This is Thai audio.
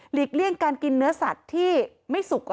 เลี่ยงการกินเนื้อสัตว์ที่ไม่สุก